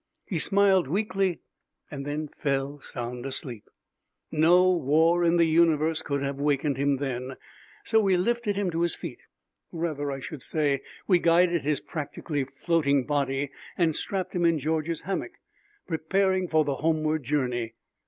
He smiled weakly and fell sound asleep. No war in the universe could have wakened him then, so we lifted him to his feet rather I should say, we guided his practically floating body and strapped him in George's hammock, preparing for the homeward journey.